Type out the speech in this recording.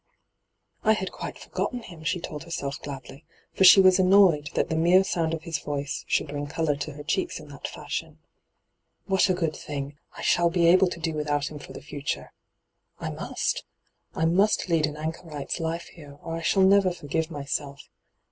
' I had quite forgotten him,' she told herself gladly, for she was annoyed that the mere sound of his voice should bring colour to her cheeks in that &shion. ' What a good thing I I shall be able to do without him for the future. I must I I must lead an anchorite's hyGoogIc 266 ENTRAPPED life here, or I shall never foi^ve myself.